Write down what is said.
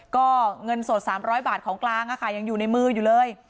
ก็เงินสดสามร้อยบาทของกลางนะคะยังอยู่ในมืออยู่เลย